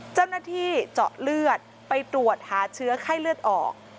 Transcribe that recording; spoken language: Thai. เจ้าหน้าที่เจาะเลือดไปตรวจหาเชื้อไข้เลือดออก